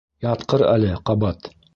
Ятҡыр әле ҡабат!